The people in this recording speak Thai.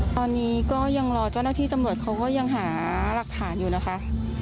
ตอนนี้ก็ยังรอเจ้าหน้าที่ตำรวจเขาก็ยังหาหลักฐานอยู่นะคะ